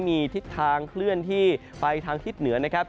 มีทิศทางเคลื่อนที่ไปทางทิศเหนือนะครับ